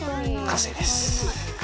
完成です。